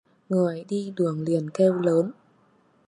người đi đường liền kêu lớn